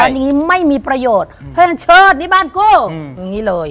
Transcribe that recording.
อย่างงี้ไม่มีประโยชน์เพราะฉะนั้นเชิดนี่บ้านกูอย่างงี้เลย